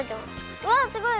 うわすごい。